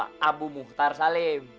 almarhum bapak abu muhtar salim